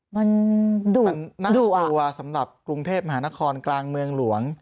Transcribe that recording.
มันน่ากลัวสำหรับกรุงเทพมหานครกลางเมืองหลวง